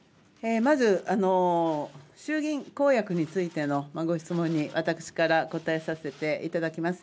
まず、衆議院公約についてのご質問に私から答えさせていただきます。